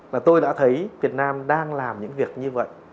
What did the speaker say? và tôi đã thấy việt nam đang làm những việc như vậy